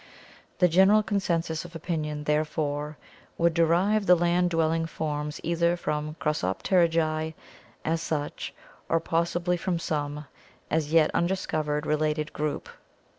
The general consensus of opinion, therefore, would derive the land dwelling forms either from the Crossopterygii as such or possibly from some, as yet undiscovered, related group.